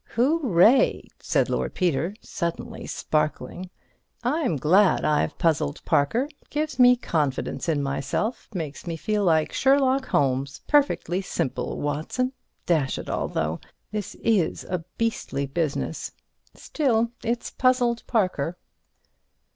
"Hurray!" said Lord Peter, suddenly sparkling. "I'm glad I've puzzled Parker. Gives me confidence in myself. Makes me feel like Sherlock Holmes. 'Perfectly simple, Watson.' Dash it all, though! this is a beastly business. Still, it's puzzled Parker."